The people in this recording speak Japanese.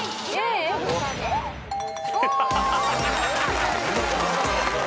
お！